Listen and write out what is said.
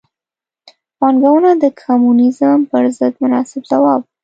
پانګونه د کمونیزم پر ضد مناسب ځواب و.